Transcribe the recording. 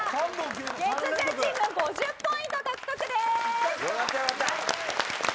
月１０チームは５０ポイント獲得です。